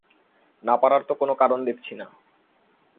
না পারার তো কোনো কারণ দেখছি না।